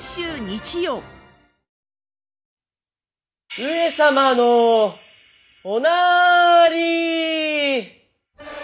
・上様のおなーりー。